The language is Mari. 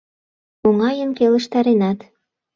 — Оҥайын келыштаренат.